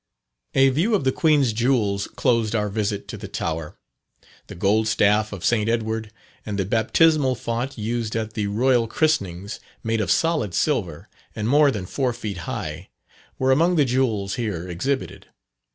A view of the "Queen's Jewels" closed our visit to the Tower. The Gold Staff of St. Edward, and the Baptismal Font used at the Royal christenings, made of solid silver, and more than four feet high, were among the jewels here exhibited.